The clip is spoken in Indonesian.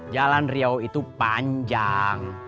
jalan riau itu panjang